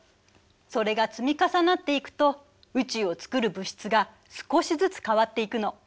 それが積み重なっていくと宇宙をつくる物質が少しずつ変わっていくの。